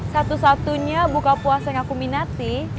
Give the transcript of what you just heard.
satu satunya buka puasa yang aku minati